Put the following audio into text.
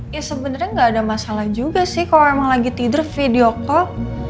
ya sebenarnya nggak ada masalah juga sih kalau emang lagi tidur video call